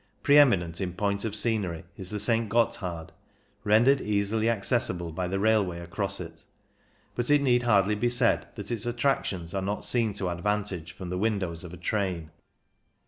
— Pre eminent in point of scenery is the St. Gotthard, rendered easily accessible by the railway across it ; but it need hardly be said that its attrac tions are not seen to advantage from the windows of a train.